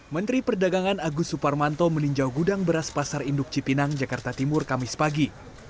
menteri perdagangan agus suparmanto meninjau gudang beras pasar induk cipinang jakarta timur kamis pagi